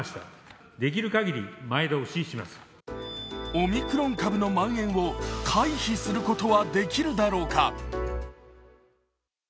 オミクロン株のまん延を回避することはできるだろうか。